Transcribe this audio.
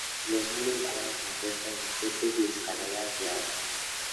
Los "muros" estaban compuestas de setos y "escaleras" de agua.